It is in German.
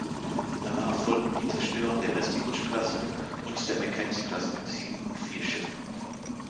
Danach folgten die Zerstörer der "Restigouche"-Klasse und der "Mackenzie"-Klasse mit sieben und vier Schiffen.